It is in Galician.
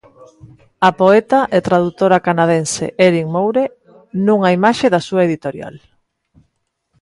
A poeta e tradutora canadense Erin Moure, nunha imaxe da súa editorial.